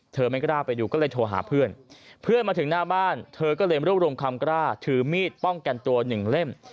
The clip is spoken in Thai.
ไม่กล้าไปดูก็เลยโทรหาเพื่อนเพื่อนมาถึงหน้าบ้านเธอก็เลยรวบรวมความกล้าถือมีดป้องกันตัวหนึ่งเล่ม